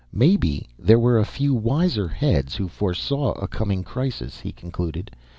"Maybe there were a few wiser heads who foresaw a coming crisis," he concluded.